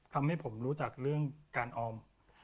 ทำให้ผมรู้จักเรื่องการออม